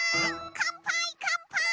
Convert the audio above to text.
かんぱいかんぱい！